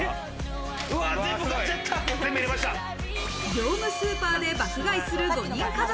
業務スーパーで爆買いする５人家族。